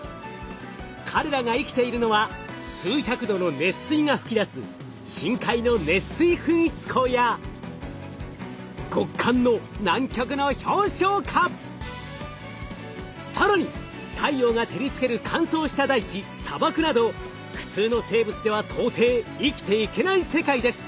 彼らが生きているのは数百度の熱水が噴き出す深海の熱水噴出孔や極寒の更に太陽が照りつける乾燥した大地砂漠など普通の生物では到底生きていけない世界です。